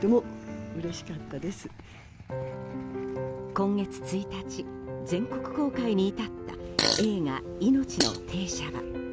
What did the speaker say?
今月１日、全国公開に至った映画「いのちの停車場」。